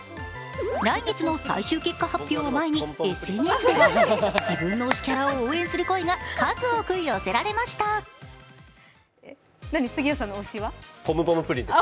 来月の最終結果発表を前にＳＮＳでは、自分の推しキャラを応援する声が推しはポムポムプリンです。